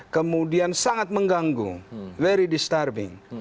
kemudian sangat mengganggu very disturbing